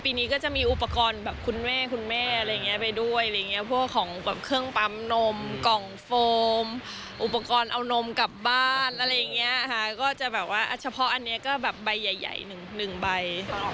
นี้ก็จะมีอุปกรณ์แบบคุณแม่คุณแม่อะไรอย่างเงี้ยไปด้วยอะไรอย่างเงี้ยพวกของแบบเครื่องปั๊มนมกล่องโฟมอุปกรณ์เอานมกลับบ้านอะไรอย่างเงี้ยค่ะก็จะแบบว่าเฉพาะอันนี้ก็แบบใบใหญ่หนึ่งใบ